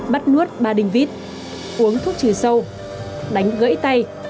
bắt nuốt ba đình vít uống thuốc trừ sâu đánh gãy tay